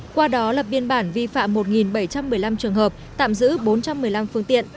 qua đó lập biên bản vi phạm một bảy trăm một mươi năm trường hợp tạm giữ bốn trăm một mươi năm phương tiện